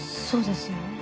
そうですよね。